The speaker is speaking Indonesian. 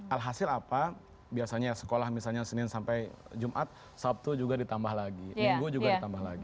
alhasil apa biasanya sekolah misalnya senin sampai jumat sabtu juga ditambah lagi minggu juga ditambah lagi